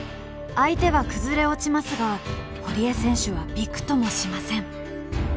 相手は崩れ落ちますが堀江選手はビクともしません。